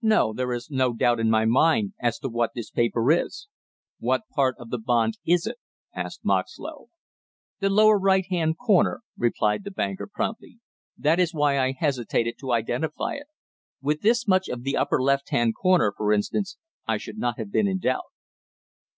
No, there is no doubt in my mind as to what this paper is." "What part of the bond is it?" asked Moxlow. "The lower right hand corner," replied the banker promptly. "That is why I hesitated to identify it; with this much of the upper left hand corner for instance, I should not have been in doubt."